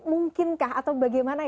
mungkinkah atau bagaimana